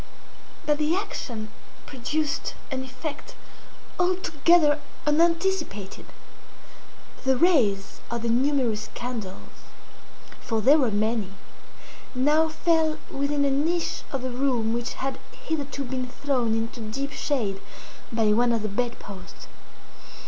But the action produced an effect altogether unanticipated. The rays of the numerous candles (for there were many) now fell within a niche of the room which had hitherto been thrown into deep shade by one of the bed posts.